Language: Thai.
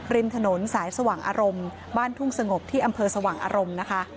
ริมถนนสายสว่างอารมณ์บ้านทุ่งสงบที่อำเภอสว่างอารมณ์นะคะ